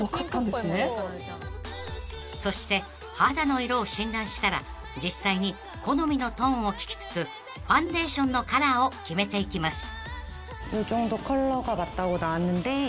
［そして肌の色を診断したら実際に好みのトーンを聞きつつファンデーションのカラーを決めていきます］